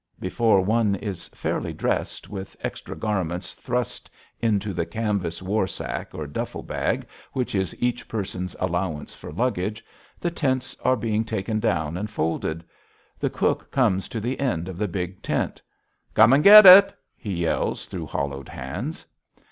Before one is fairly dressed, with extra garments thrust into the canvas war sack or duffle bag which is each person's allowance for luggage, the tents are being taken down and folded. The cook comes to the end of the big tent. "Come and get it!" he yells through hollowed hands.